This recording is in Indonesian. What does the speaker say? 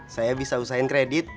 saya bisa usahain kredit